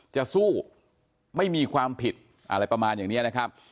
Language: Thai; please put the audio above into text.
จะสู้ไม่มีความผิดอะไรประมาณอย่างนี้นะครับ